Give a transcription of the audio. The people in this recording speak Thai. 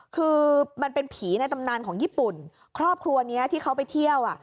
คือมันเป็นผีในตำนานของญี่ปุ่นครอบครัวนี้ที่เขาไปเที่ยวอ่ะ